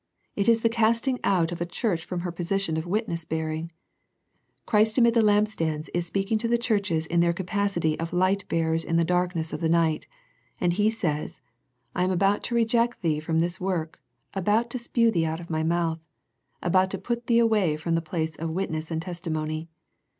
It is the casting out of a church from her position of witness bearing. Christ amid the lampstands is speaking to the churches in their capacity of light bearers in the darkness of the night, and He says, I am about to reject thee from this work, about "to spew thee out of My mouth," about to put thee away from the place of wit ness and testimony.